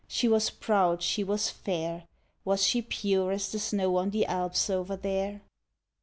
She was proud, she was fair. Was she pure as the snow on the Alps over there?